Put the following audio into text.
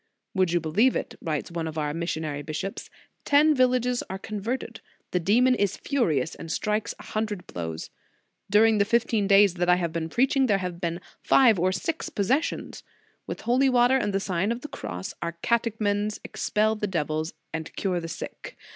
"Would you believe it?" writes one of our missionary bishops, " ten villages are con verted! The demon is furious, and strikes a hundred blows. During the fifteen days that I have been preaching, there have been five or six possessions. With holy water and the Sign of the Cross, our catechumens expel the devils, and cure the sick.